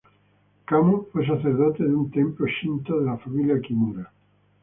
Kamo fue sacerdote de un templo Shinto de la familia Kimura.